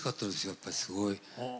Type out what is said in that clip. やっぱりすごい。